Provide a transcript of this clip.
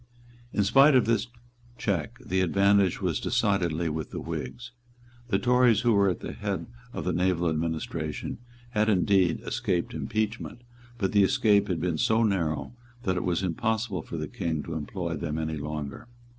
In spite of this check the advantage was decidedly with the Whigs; The Tories who were at the head of the naval administration had indeed escaped impeachment; but the escape had been so narrow that it was impossible for the King to employ them any longer.